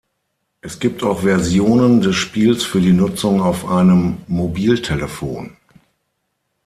Es gibt auch Versionen des Spiels für die Nutzung auf einem Mobiltelefon.